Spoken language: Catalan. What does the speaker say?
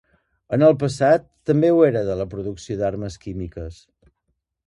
En el passat, també ho era de la producció d'armes químiques.